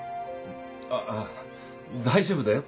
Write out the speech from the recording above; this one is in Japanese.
あっああ大丈夫だよ。